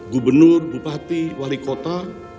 gubernur bupati wali kota